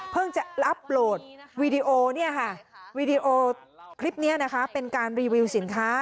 เพิ่งจะอัปโหลดวีดีโอคลิปนี้เป็นการรีวิวสินค้า